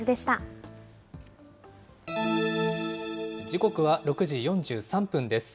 時刻は６時４３分です。